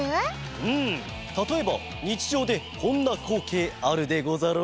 うんたとえばにちじょうでこんなこうけいあるでござろう？